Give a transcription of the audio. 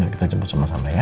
kita jemput sama sama ya